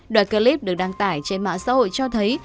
đoạn clip được đăng tải trên mạng xã hội cho thấy